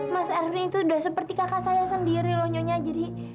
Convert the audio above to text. mas erli itu sudah seperti kakak saya sendiri loh nyonya jadi